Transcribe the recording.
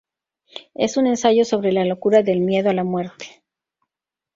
Es un ensayo sobre la locura del miedo a la muerte.